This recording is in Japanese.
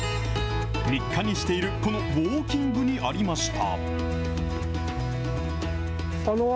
日課にしている、このウォーキングにありました。